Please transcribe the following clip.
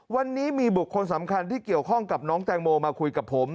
วันนี้มีบุคคลสำคัญที่เกี่ยวข้องกับน้องแตงโมมาคุยกับผม